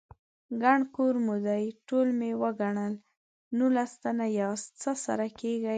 _ګڼ کور مو دی، ټول مې وګڼل، نولس تنه ياست، څه سره کېږئ؟